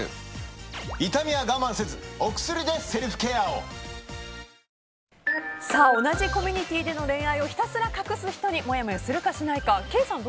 芸人とかだったら同じコミュニティーでの恋愛をひたすら隠す人にもやもやするかしないか。